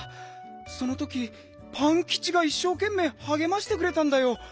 そのときパンキチがいっしょうけんめいはげましてくれたんだよ。